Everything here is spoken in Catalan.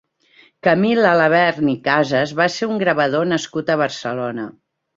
Camil Alabern i Casas va ser un gravador nascut a Barcelona.